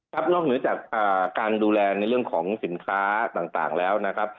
นอกเหนือจากการดูแลในเรื่องของสินค้าต่างแล้วนะครับ